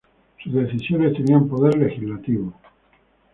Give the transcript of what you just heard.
Sus decisiones tenían poder legislativo.